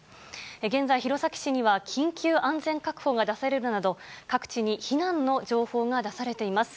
現在、弘前市には緊急安全確保が出されるなど、各地に避難の情報が出されています。